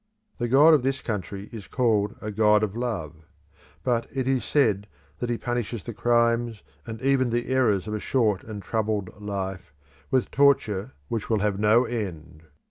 The God of this country is called a God of love; but it is said that he punishes the crimes and even the errors of a short and troubled life with torture which will have no end.